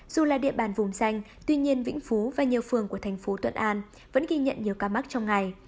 dù là địa bàn vùng xanh tuy nhiên vĩnh phú và nhiều phường của thành phố thuận an vẫn ghi nhận nhiều ca mắc trong ngày